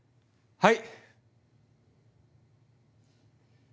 はい。